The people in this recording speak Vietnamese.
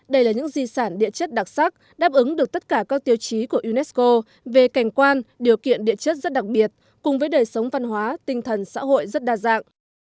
đây là những di sản địa chất đặc sắc đáp ứng được tất cả các tiêu chí của unesco về cảnh quan điều kiện địa chất rất đặc biệt cùng với đời sống văn hóa tinh thần xã hội rất đa dạng